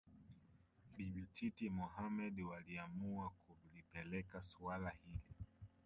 Bibi Titi Mohamed waliamua kulipeleka suala hili